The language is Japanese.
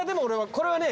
これはね。